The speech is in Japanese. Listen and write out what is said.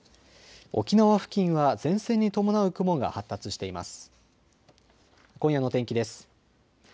沖縄付近は前線に伴う雲が発達しています。